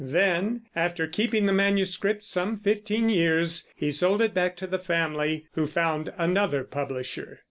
Then, after keeping the manuscript some fifteen years, he sold it back to the family, who found another publisher.